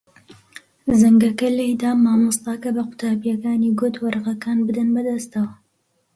زەنگەکە لێی دا. مامۆستاکە بە قوتابییەکانی گوت وەرەقەکان بدەن بەدەستەوە.